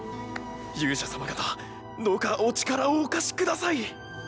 勇者様方どうかお力をお貸しください。